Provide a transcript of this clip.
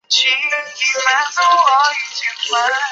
螯埃齿螯蛛为球蛛科齿螯蛛属的动物。